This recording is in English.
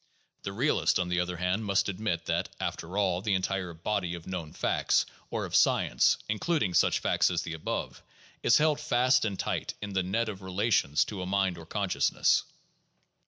The realist, on the other hand, must admit that, after all, the entire body of known facts, or of science, including such facts as the above, is held fast and tight in the net of relation to a mind or consciousness.